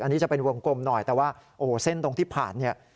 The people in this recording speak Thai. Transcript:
อันนี้จะเป็นวงกลมหน่อยแต่ว่าโอ้โหเส้นตรงที่ผ่านเนี่ย